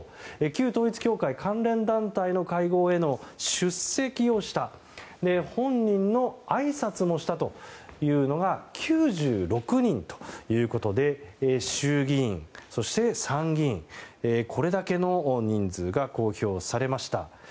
旧統一教会関連団体の会合への出席をした本人もあいさつをしたというのが９６人ということで衆議院、そして参議院これだけの人数が公表されました。